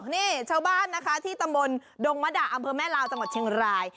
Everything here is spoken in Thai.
นี่ชาวบ้านนะคะที่ตำบลดงมดาอำเภอแม่ลาวจังหวัดเชียงราย